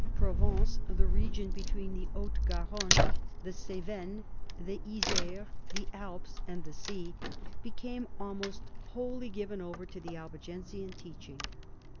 Provence, the region between the Haute Garonne, the Cevennes, the Isere, the Alps and the sea, became almost wholly given over to the Albigensian teaching.